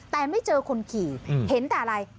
แต่ไม่เจอคนขี่เห็นแต่อะไร